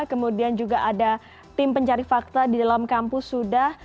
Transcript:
kemudian juga ada tim pencari fakta di dalam kampus sudah